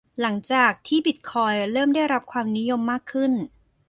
หลังจากที่บิตคอยน์เริ่มได้รับความนิยมมากขึ้น